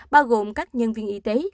bao gồm các nhân viên y tế